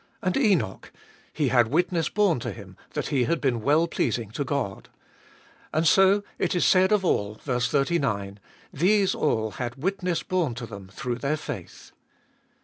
And Enoch : He had witness borne to him that he had been well pleasing to God. And so it is said of all, ver. 39 : These all had witness borne to them through their faith.